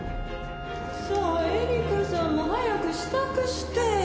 さあ恵利香さんも早く支度して。